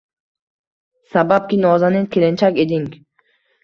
Sababki, nozanin kelinchak eding